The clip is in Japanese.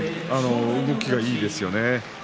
動きがいいですよね。